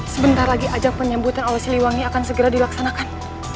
sebentar lagi ajak penyambutan oleh siliwangi akan segera dilaksanakan